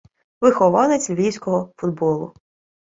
Вихованець львівського футболу.